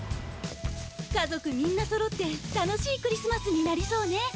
家族みんな揃って楽しいクリスマスになりそうね。